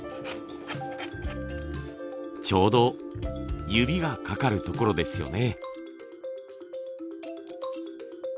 ちょうど指がかかるところですよね。